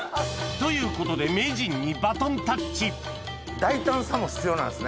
ということで名人にバトンタッチ大胆さも必要なんですね。